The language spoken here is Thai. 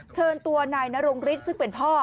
เชิญตัวนายนรงฤทธิ์ซึ่งเป็นพ่อ